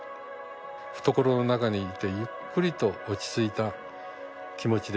懐の中にいてゆっくりと落ち着いた気持ちでいられる。